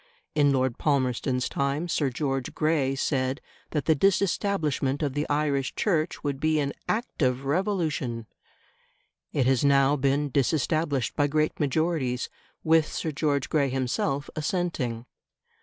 In Lord Palmerston's time Sir George Grey said that the disestablishment of the Irish Church would be an "act of Revolution"; it has now been disestablished by great majorities, with Sir George Grey himself assenting.